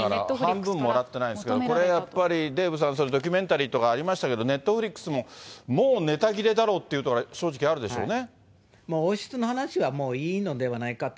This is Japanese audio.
だから半分もらってないですが、デーブさん、ドキュメンタリーとかありましたけど、ネットフリックスももうネタ切れだろうというところが正直あるでもう王室の話はもういいのではないかと、